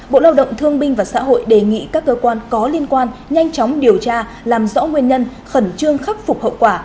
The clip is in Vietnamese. bộ lao động thương binh và xã hội đề nghị các cơ quan có liên quan nhanh chóng điều tra làm rõ nguyên nhân khẩn trương khắc phục hậu quả